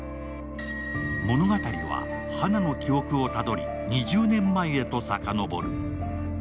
物語は花の記憶をたどり２０年前へとさかのぼる。